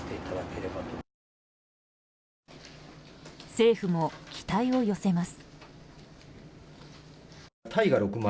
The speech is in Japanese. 政府も期待を寄せます。